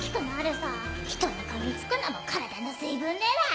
人にかみつくのも体の水分狙い。